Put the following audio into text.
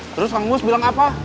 terus kang mus bilang apa